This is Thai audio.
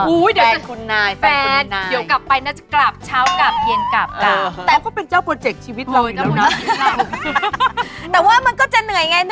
อู้วเดี๋ยวคุณนาย